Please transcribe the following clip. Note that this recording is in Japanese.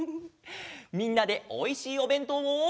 みんなでおいしいおべんとうを。